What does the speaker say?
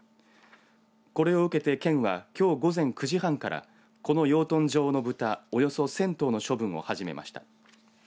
これを受けて県はきょう午前９時半からこの養豚場のブタおよそ１０００頭の処分を始めました。